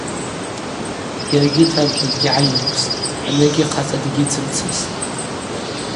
Йаргьи тагвжва дгьгӏайымгстӏ, аныгьи хъацӏа дыгьйыцымцастӏ.